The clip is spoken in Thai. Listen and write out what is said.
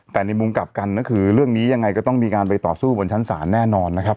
แต่ในมุมกลับกันก็คือเรื่องนี้ยังไงก็ต้องมีการไปต่อสู้บนชั้นศาลแน่นอนนะครับ